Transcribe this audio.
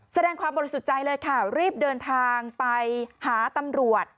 แสดงความบริสุทธิ์ใจเลยค่ะรีบเดินทางไปหาตำรวจ